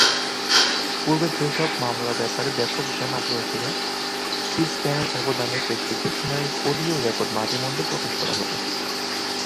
পূর্বে যে সব মামলার ব্যাপারে ব্যাপক জন-আগ্রহ ছিলো সি-স্প্যান এর আবেদনের প্রেক্ষিতে শুনানির অডিও রেকর্ড মাঝে মধ্যে প্রকাশ করা হতো।